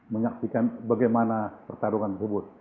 menyaksikan bagaimana pertarungan tersebut